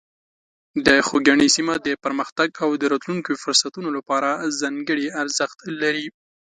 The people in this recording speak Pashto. د خوږیاڼي سیمه د پرمختګ او د راتلونکو فرصتونو لپاره ځانګړې ارزښت لري.